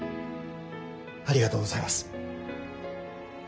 ありがとうございます。